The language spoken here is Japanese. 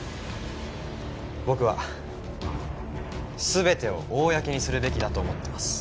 僕は全てを公にするべきだと思ってます。